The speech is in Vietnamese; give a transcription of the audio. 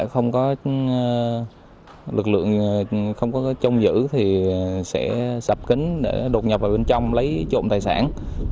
không có trông giữ thì sẽ sập kính để đột nhập vào bên trong lấy trộm tài sản